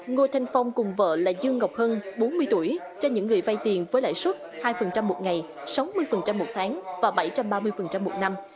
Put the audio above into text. ngô thanh phong cùng vợ là dương ngọc hân bốn mươi tuổi cho những người vay tiền với lãi suất hai một ngày sáu mươi một tháng và bảy trăm ba mươi một năm